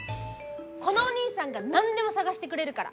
このおにいさんが何でも探してくれるから！